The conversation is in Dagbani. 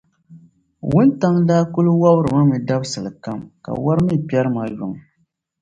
Wuntaŋ’ daa kul wɔbiri ma mi dabisili kam, ka wari mi kpɛri ma yuŋ.